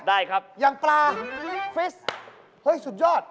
ได้ครับอย่างปลาฟิสเฮ้ยสุดยอด